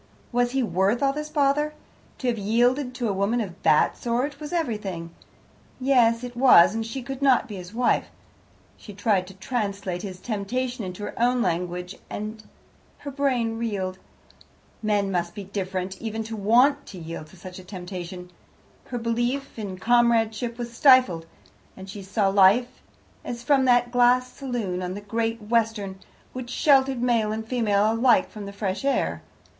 Was he worth all this bother? To have yielded to a woman of that sort was everything, yes, it was, and she could not be his wife. She tried to translate his temptation into her own language, and her brain reeled. Men must be different, even to want to yield to such a temptation. Her belief in comradeship was stifled, and she saw life as from that glass saloon on the Great Western, which sheltered male and female alike from the fresh air.